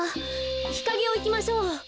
ひかげをいきましょう。